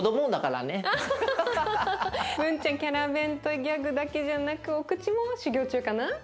ブンちゃんキャラベンとギャクだけじゃなくお口も修業中かな？